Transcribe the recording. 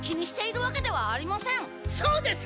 そうです！